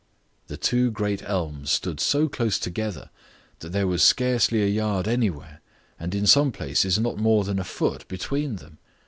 The two great elms stood so close together that there was scarcely a yard anywhere, and in some places not more than a foot, between them.